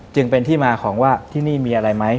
จึงเป็นที่มาของว่าที่นี่มีอะไรไหม